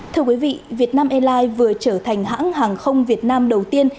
thưa quý vị việt nam airlines vừa trở thành hãng hàng không việt nam đầu tiên